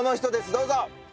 どうぞ。